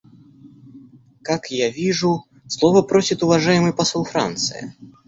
Как я вижу, слова просит уважаемый посол Франции.